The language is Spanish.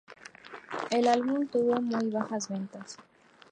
El álbum tuvo muy bajas ventas.